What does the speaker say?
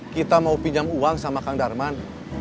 kita mau pinjam uang sama kang darman